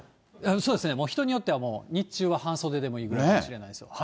そうですね、人によってはもう、日中は半袖でもいいぐらいかもしれません。